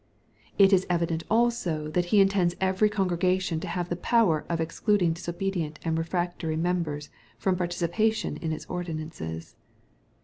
It is evident also that He intends every congregation to have the power of ex cluding disobedient and refractory members from partici pation in its ordinances.